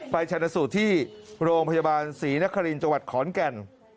ชนะสูตรที่โรงพยาบาลศรีนครินทร์จังหวัดขอนแก่น